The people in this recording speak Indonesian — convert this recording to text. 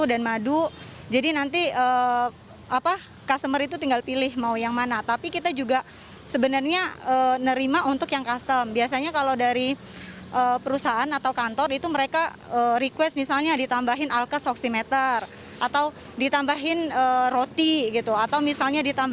atau ditambahin roti atau misalnya ditambahin biskuit kaleng itu kita bisa terima